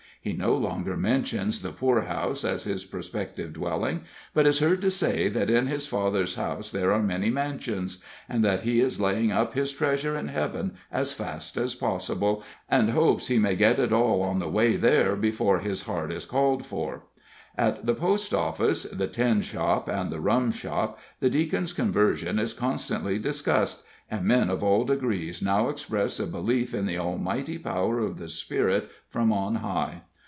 He no longer mentions the poor house as his prospective dwelling, but is heard to say that in his Father's house there are many mansions, and that he is laying up his treasure in heaven as fast as possible, and hopes he may get it all on the way there before his heart is called for. At the post office, the tin shop and the rum shop the Deacon's conversion is constantly discussed, and men of all degrees now express a belief in the mighty power of the Spirit from on high.